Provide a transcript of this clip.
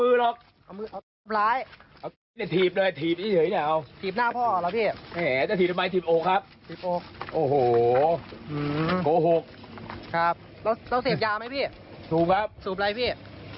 เอายังอะไรพี่